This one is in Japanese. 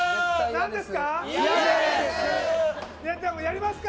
何ですか？